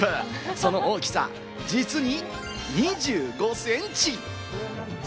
その大きさ、実に２５センチ！